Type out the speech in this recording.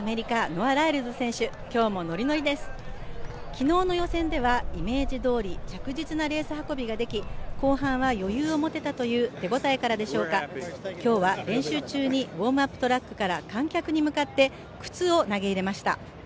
昨日の予選ではイメージどおり着実なレース運びができ後半は余裕を持てたという手応えからでしょうか今日は練習中にウオームアップトラックから観客に向けて靴を投げ入れました。